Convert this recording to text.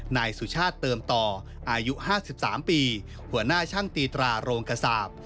นายสุชาติเติมต่ออายุห้าสิบสามปีหัวหน้าช่างตีตรารงกษาบ